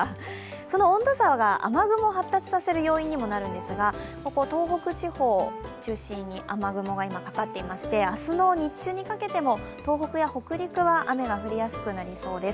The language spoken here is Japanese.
その温度差が雨雲を発達させる要因にもなるんですが、ここ東北地方を中心に雨雲がかかっていまして明日の日中にかけても東北や北陸は雨が降りやすくなりそうです。